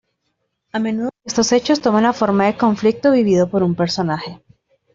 A menudo estos hechos toman la forma de conflicto vivido por un personaje.